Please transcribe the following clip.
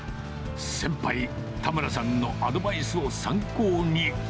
先輩、田村さんのアドバイスを参考に。